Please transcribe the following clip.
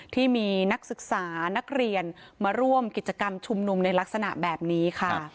ที่มีนักศึกษานักเรียนมาร่วมกิจกรรมชุมนุมในลักษณะแบบนี้ค่ะ